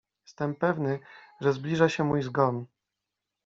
— Jestem pewny, że się zbliża mój zgon.